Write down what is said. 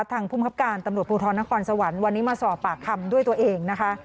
ภูมิครับการตำรวจภูทรนครสวรรค์วันนี้มาสอบปากคำด้วยตัวเองนะคะ